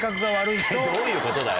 どういうことだよ！